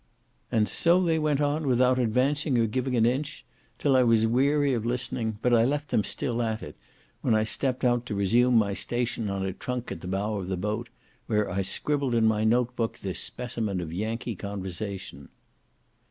And so they went on, without advancing or giving an inch, 'till I was weary of listening; but I left them still at it, when I stepped out to resume my station on a trunk at the bow of the boat, where I scribbled in my note book this specimen of Yankee conversation.